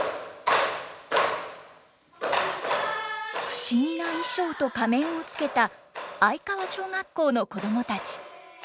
不思議な衣装と仮面をつけた相川小学校の子供たち。